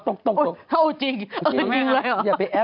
เธอเป็นจริงอะไรหรอ